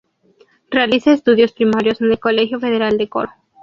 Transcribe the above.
Realiza estudios primarios en el Colegio Federal de Coro.